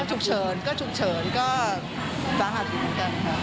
ฉุกเฉินก็ฉุกเฉินก็สาหัสอยู่เหมือนกันค่ะ